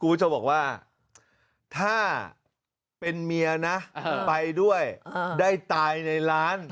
คุณผู้ชมบอกว่าถ้าเป็นเมียนะไปด้วยได้ตายในร้าน